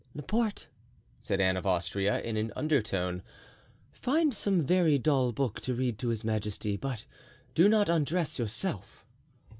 "Laporte," said Anne of Austria, in an undertone, "find some very dull book to read to his majesty, but do not undress yourself."